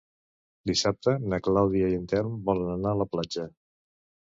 Dissabte na Clàudia i en Telm volen anar a la platja.